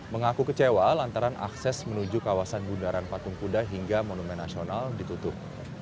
mengaku kecewa lantaran akses menuju kawasan bundaran patung kuda hingga monumen nasional ditutup